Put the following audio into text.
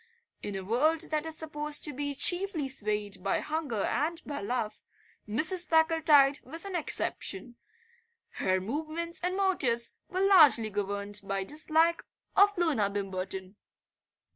In a world that is supposed to be chiefly swayed by hunger and by love Mrs. Packletide was an exception; her movements and motives were largely governed by dislike of Loona Bimberton.